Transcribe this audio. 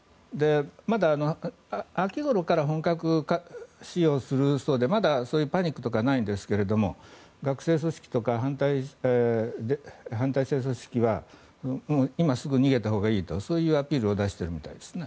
まだ、秋ごろから本格使用するそうでまだそういうパニックとかないんですけれども学生組織とか反体制組織は今すぐ逃げたほうがいいというそういうアピールを出してるみたいですね。